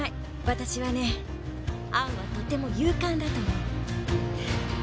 私はねアンはとても勇敢だと思う。